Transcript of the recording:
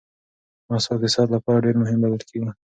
مسواک د صحت لپاره ډېر مهم بلل کېږي.